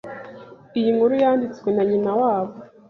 iyi inkuru Yanditswe na nyina wabo